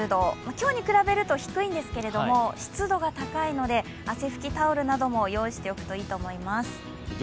今日に比べると低いんですけど、湿度が高いので汗ふきタオルなど用意しておくといいと思います。